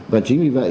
và chính vì vậy